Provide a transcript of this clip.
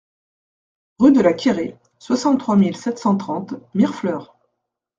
Rue de la Quéré, soixante-trois mille sept cent trente Mirefleurs